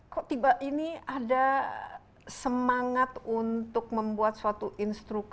kok tiba ini ada semangat untuk membuat suatu instruksi